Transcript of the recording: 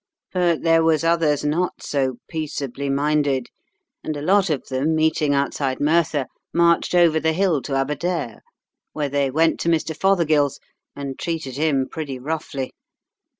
But there was others not so peaceably minded, and a lot of them, meeting outside Merthyr, marched over the hill to Aberdare, where they went to Mr. Fothergill's and treated him pretty roughly.